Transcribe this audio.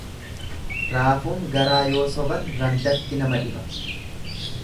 Raafuun garaa yoo soban randatti nama dhiba.